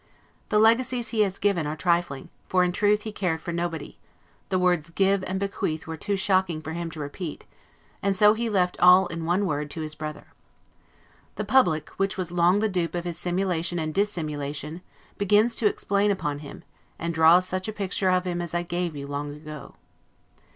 The legacies he has left are trifling; for, in truth, he cared for nobody: the words GIVE and BEQUEATH were too shocking for him to repeat, and so he left all in one word to his brother. The public, which was long the dupe of his simulation and dissimulation, begins to explain upon him; and draws such a picture of him as I gave you long ago.